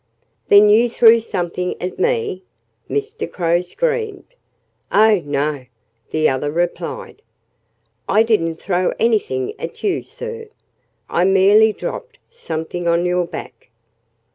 "Then you threw something at me!" Mr. Crow screamed. "Oh, no!" the other replied. "I didn't throw anything at you, sir. I merely dropped something on your back."